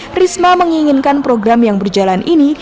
trisma menginginkan program yang berjalan ini